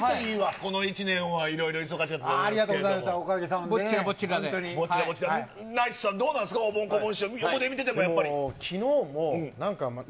この一年はいろいろ忙しかっありがとうございました、ナイツさん、どうなんですか、おぼん・こぼん師匠、横で見てても、やっぱり。